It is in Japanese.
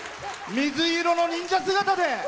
水色の忍者姿で。